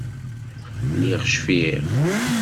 Lliɣ cfiɣ.